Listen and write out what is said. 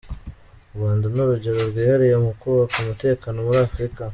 U Rwanda ni urugero rwihariye mu kubaka umutekano muri Afurika.